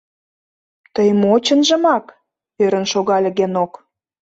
— Тый мо, чынжымак? — ӧрын шогале Генок.